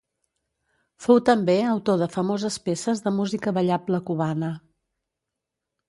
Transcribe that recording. Fou també autor de famoses peces de música ballable cubana.